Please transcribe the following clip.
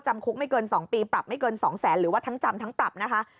จำคุกไม่เกิน๒ปีปรับไม่เกิน๒แสนหรือว่าทั้งจำทั้งปรับนะคะ